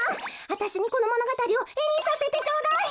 あたしにこのものがたりをえにさせてちょうだい！